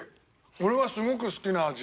俺はすごく好きな味。